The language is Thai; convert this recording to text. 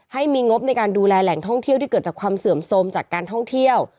ให้มีงบในการดูแลแหล่งท่องเที่ยวที่เกิดจากความเสื่อมโทรมจากการท่องเที่ยว